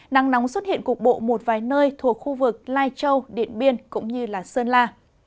nắng nóng xuất hiện cục bộ một vài nơi thuộc khu vực lai châu điện biên cũng như sơn la